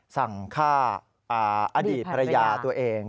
สั่งฆ่าอดีตภรรยาตัวเอง